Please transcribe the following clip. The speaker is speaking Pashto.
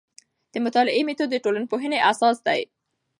د مطالعې میتود د ټولنپوهنې اساس دی.